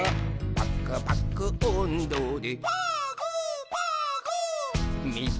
「パクパクおんどで」